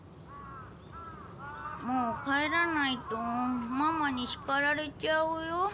もう帰らないとママに叱られちゃうよ